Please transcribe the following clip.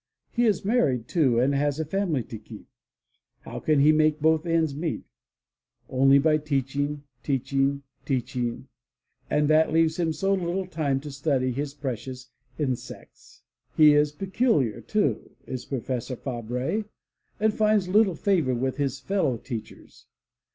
He is married, too, and has a family to keep. How can he make both ends meet? Only by teaching, teaching, teaching, and that leaves him so little time to study his precious insects. He is peculiar, too, is Professor Fabre, and finds little favor with his fellow teachers.